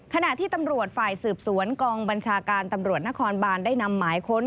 ขณะที่ตำรวจฝ่ายสืบสวนกองบัญชาการตำรวจนครบานได้นำหมายค้น